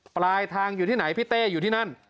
ปลายทางอยู่ที่ไหนพี่เต้อยู่ที่นั่น